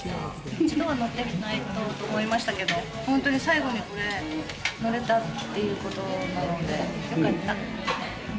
一度は乗ってみたいと思いましたけど、本当に最後に乗れたっていうことなのでよかった。